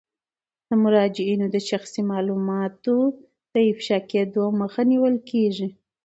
د مراجعینو د شخصي معلوماتو د افشا کیدو مخه نیول کیږي.